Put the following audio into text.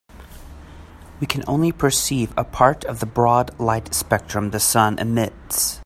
We can only perceive a part of the broad light spectrum the sun emits.